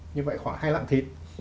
như vậy khoảng hai lạng thịt